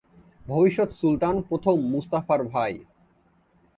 ভবিষ্যৎ সুলতান প্রথম মুস্তাফার ভাই।